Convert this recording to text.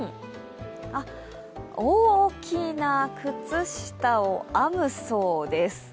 大きな靴下を編むそうです。